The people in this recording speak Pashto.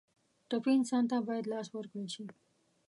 ټپي انسان ته باید لاس ورکړل شي.